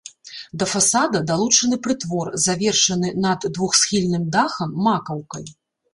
Да фасада далучаны прытвор, завершаны над двухсхільным дахам макаўкай.